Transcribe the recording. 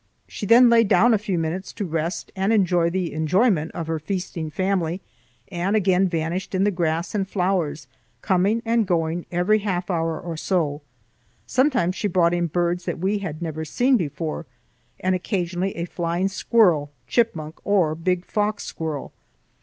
She then lay down a few minutes to rest and enjoy the enjoyment of her feasting family, and again vanished in the grass and flowers, coming and going every half hour or so. Sometimes she brought in birds that we had never seen before, and occasionally a flying squirrel, chipmunk, or big fox squirrel.